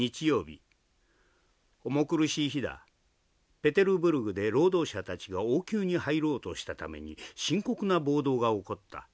ペテルブルクで労働者たちが王宮に入ろうとしたために深刻な暴動が起こった。